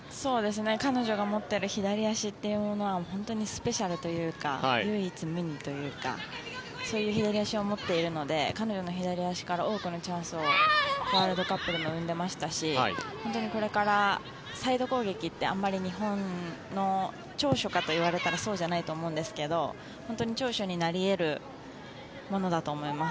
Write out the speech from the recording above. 彼女が持っている左足というものは本当にスペシャルというか唯一無二というかそういう左足を持っているので彼女の左足から多くのチャンスをワールドカップでも生んでいましたしこれからサイド攻撃ってあまり日本の長所かといわれたらそうじゃないと思うんですけど本当に長所になり得るものだと思います。